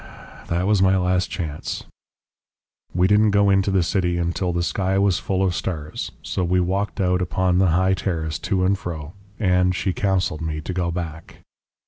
"That was my last chance. "We didn't go into the city until the sky was full of stars, so we walked out upon the high terrace, to and fro, and she counselled me to go back.